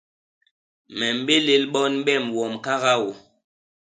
Me mbélél bon bem wom kakaô.